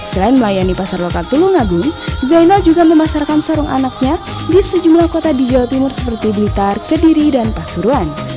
selain melayani pasar lokal tulungagung zainal juga memasarkan sorong anaknya di sejumlah kota di jawa timur seperti blitar kediri dan pasuruan